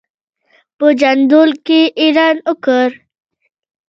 په جندول کې یې اعلان وکړ.